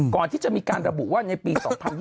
ก่อนที่จะมีการระบุว่าในปี๒๐๒๐